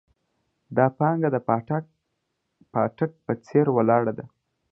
دا پانګه د پاټک په څېر ولاړه ده.